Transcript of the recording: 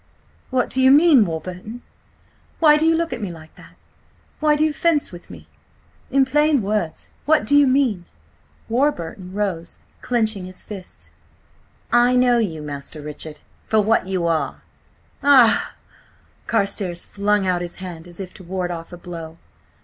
"What do you mean, Warburton? Why do you look at me like that? Why do you fence with me? In plain words, what do you mean?" Warburton rose, clenching his hands. "I know you, Master Richard, for what you are!" "Ah!" Carstares flung out his hand as if to ward off a blow.